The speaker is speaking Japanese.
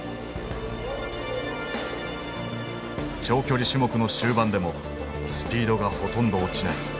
長距離種目の終盤でもスピードがほとんど落ちない。